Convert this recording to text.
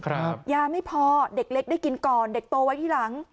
ยาไม่พอเด็กเล็กได้กินก่อนเด็กโตไว้ที่หลัง